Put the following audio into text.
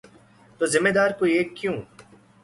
تو ذمہ دار کوئی ایک کیوں؟